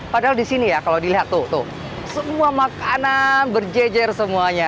padahal di sini ya kalau dilihat tuh semua makanan berjejer semuanya